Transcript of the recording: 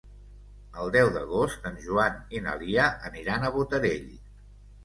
El deu d'agost en Joan i na Lia aniran a Botarell.